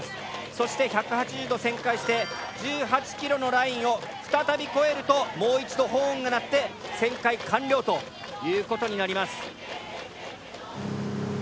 そして１８０度旋回して１８ｋｍのラインを再び越えるともう一度ホーンが鳴って旋回完了という事になります。